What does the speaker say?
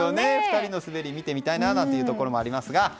２人の滑りを見てみたいところもありますが。